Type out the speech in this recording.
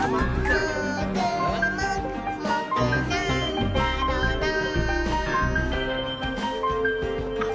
「もーくもくもくなんだろなぁ」